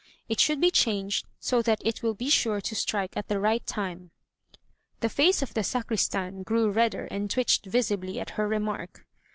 It should be changed so that it will be sure to strike at the right time." The face of the sacristan grew redder and twitched visibly at her remark.